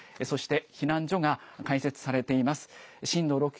そして避難所が開設されています。